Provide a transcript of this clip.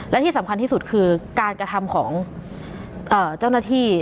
และที่สำคัญที่สุดคือการกระทำของเจ้าหน้าที่